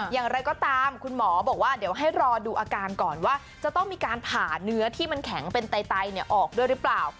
อย่างไรก็ตามคุณหมอบอกว่าเดี๋ยวให้รอดูอาการก่อนว่าจะต้องมีการผ่าเนื้อที่มันแข็งเป็นไตออกด้วยหรือเปล่า